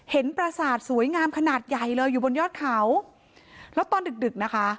ประสาทสวยงามขนาดใหญ่เลยอยู่บนยอดเขาแล้วตอนดึกดึกนะคะ